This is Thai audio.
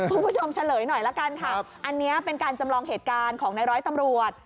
เฉลยหน่อยละกันค่ะอันนี้เป็นการจำลองเหตุการณ์ของในร้อยตำรวจ